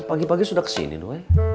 pagi pagi sudah kesini dong